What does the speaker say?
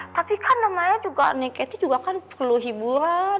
tapi kan namanya juga nik itu juga kan perlu hiburan